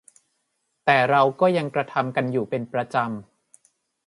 แต่เราก็ยังกระทำกันอยู่เป็นประจำ